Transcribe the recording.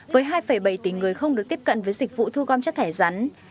với hai bảy tỷ người không được tiếp cận với dịch vụ thu gom chất thải rắn